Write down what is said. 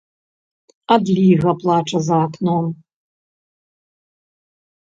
Адліга плача за акном.